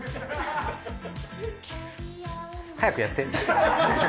早くやって。